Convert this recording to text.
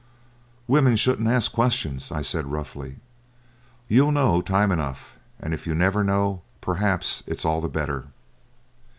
'Women shouldn't ask questions,' I said roughly. 'You'll know time enough, and if you never know, perhaps it's all the better.'